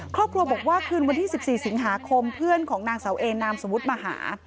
ครอบครัวบอกว่าคืนวันที่๑๔สิงหาคมเพื่อนของนางเสาเอนามสมมุติมาหา